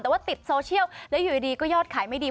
แต่ว่าติดโซเชียลแล้วอยู่ดีก็ยอดขายไม่ดี